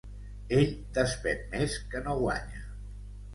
Ell despèn més que no guanya.